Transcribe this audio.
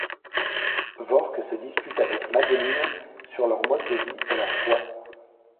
Vork se dispute avec Madeline sur leurs modes de vie et leurs choix.